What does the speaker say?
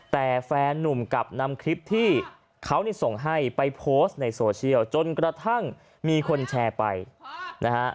แต่แฟนนุ่มกลับนำคลิปที่เขาส่งให้ไปโพสต์ในโซเชียลจนกระทั่งมีคนแชร์ไปนะฮะ